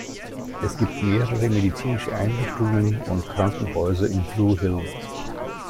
Es gibt mehrere Medizinische Einrichtungen und Krankenhäuser in Blue Hill.